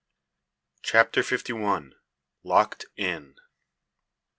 CHAPTER FIFTY ONE. LOCKED IN.